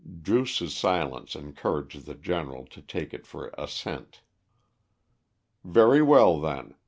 Druce's silence encouraged the General to take it for assent. "Very well, then.